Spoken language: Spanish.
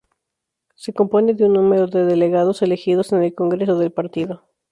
Se compone de un número de delegados elegidos en el Congreso del Partido.